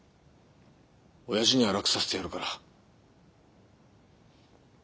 親父には楽させてやるから。